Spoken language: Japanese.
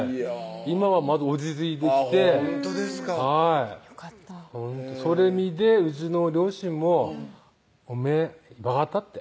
今は落ち着いてきてほんとですかそれ見てうちの両親も「おめぇ分かった」って「